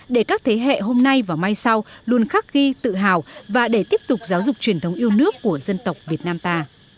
để các thế hệ hôm nay và mai sau luôn khắc ghi tự hào và để tiếp tục giáo dục truyền thống yêu nước của dân tộc việt nam ta